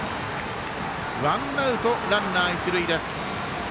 ワンアウト、ランナー、一塁です。